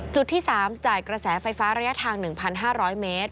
จุดที่๓จ่ายกระแสไฟฟ้าระยะทาง๑๕๐๐เมตร